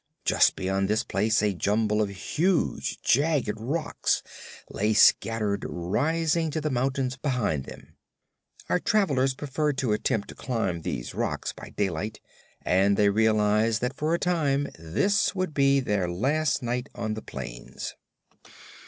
Just beyond this place a jumble of huge, jagged rocks lay scattered, rising to the mountains behind them. Our travelers preferred to attempt to climb these rocks by daylight, and they realized that for a time this would be their last night on the plains.